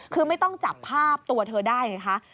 คือไม่ต้องจับภาพตัวเธอได้ไงคะ